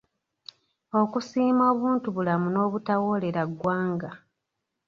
Okusiima obuntubulamu n’obutawoolera ggwanga